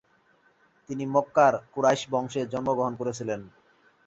তিনি মক্কার কুরাইশ বংশে জন্মগ্রহণ করেছিলেন।